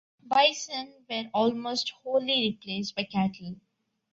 Bison were almost wholly replaced by cattle.